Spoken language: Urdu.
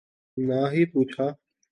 نہ ہی پوچھا